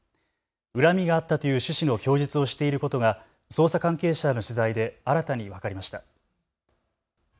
恨みがあったという趣旨の供述をしていることが捜査関係者への取材で新たに分かりました。